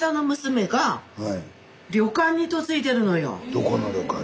どこの旅館に？